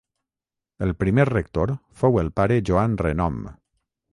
El primer rector fou el Pare Joan Renom.